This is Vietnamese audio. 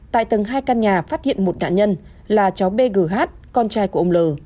tại tầng hai căn nhà phát hiện một nạn nhân là cháu bgh con trai của ông l